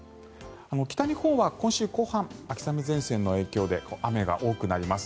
北日本は今週後半秋雨前線の影響で雨が多くなります。